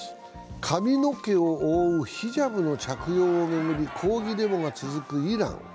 髪の毛を覆うヒジャブの着用を巡り抗議デモが続くイラン。